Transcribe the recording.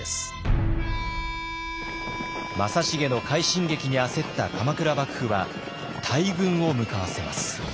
正成の快進撃に焦った鎌倉幕府は大軍を向かわせます。